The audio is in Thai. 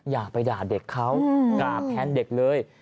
อย่าไปด่าเด็กเขาด่าแทนเด็กเลย